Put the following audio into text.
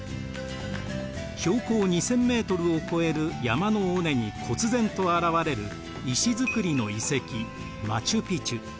標高２，０００ｍを超える山の尾根にこつ然と現れる石造りの遺跡マチュ・ピチュ。